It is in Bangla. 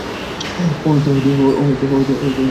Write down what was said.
হয়তো লোভ জেগে উঠেছিল।